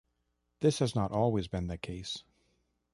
This has not always been the case.